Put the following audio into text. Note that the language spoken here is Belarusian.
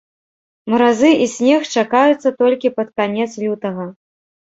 Маразы і снег чакаюцца толькі пад канец лютага.